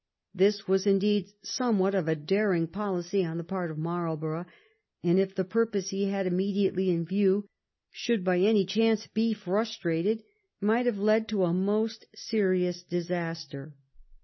This was, indeed, somewhat of a daring policy on the part of Marlbor ough, and if the purpose he had immediately in view should by any chance be frustrated might have led to a most serious disaster.